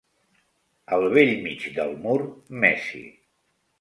Al bell mig del mur, Messi.